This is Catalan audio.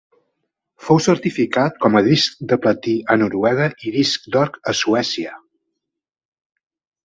Fou certificat com a disc de platí a Noruega i disc d'or a Suècia.